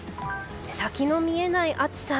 先の見えない暑さ。